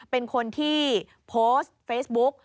เป็นคนที่โพสต์เฟซบุ๊ก